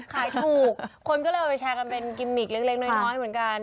ขายถูกคนก็เลยเอาไปแชร์กันเป็นกิมมิกเล็กน้อยเหมือนกัน